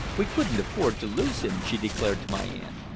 "We couldn't afford to lose him," she declared to my aunt.